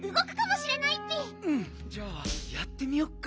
うんじゃあやってみよっか。